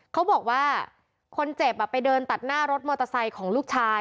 เขาบอกว่าคนเจ็บไปเดินตัดหน้ารถมอเตอร์ไซค์ของลูกชาย